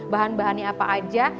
bahannya apa saja